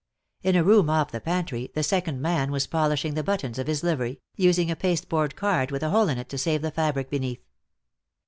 In a room off the pantry the second man was polishing the buttons of his livery, using a pasteboard card with a hole in it to save the fabric beneath.